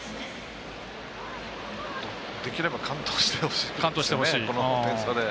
できれば完投してほしいですよね。